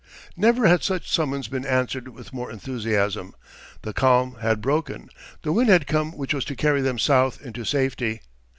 Never had such summons been answered with more enthusiasm. The calm had broken. The wind had come which was to carry them south into safety.